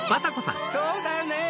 そうだねぇ。